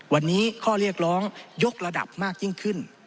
วันนี้ข้อเรียกร้องยกระดับมากยิ่งขึ้น